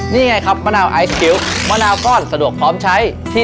นี่ไงครับมะนาวไอศคิ้วมะนาวก้อนสะดวกพร้อมใช้